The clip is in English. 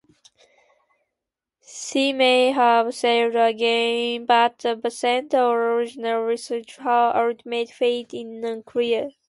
She may have sailed again but absent original research her ultimate fate is unclear.